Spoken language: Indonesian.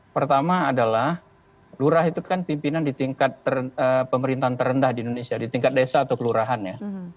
pertama adalah lurah itu kan pimpinan di tingkat pemerintahan terendah di indonesia di tingkat desa atau kelurahan ya